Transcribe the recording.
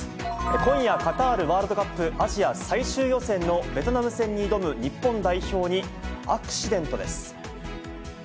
今夜、カタールワールドカップアジア最終予選のベトナム戦に挑む日本代表にアクシデントです。